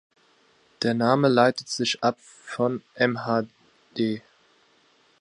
Der Name leitet sich ab von mhd.